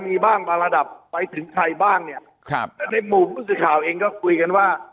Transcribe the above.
มีบ้างประระดับไปถึงใครบ้างเนี่ยในหมู่ภูมิข่าวเองก็คุยกันว่า